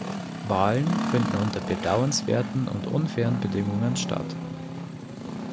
Wahlen finden unter bedauernswerten und unfairen Bedingungen statt.